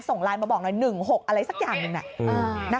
ส่งไลน์มาบอกหน่อย๑๖อะไรสักอย่างหนึ่ง